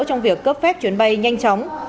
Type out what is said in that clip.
trong việc cấp phép chuyến bay nhanh chóng